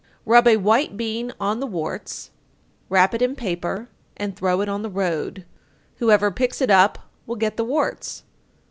_ 886. Rub a white bean on the warts, wrap it in paper, and throw it on the road; whoever picks it up will get the warts.